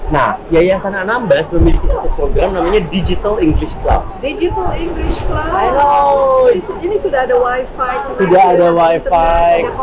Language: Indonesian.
nah yayasan anambas memiliki program namanya digital english cloud ini sudah ada wifi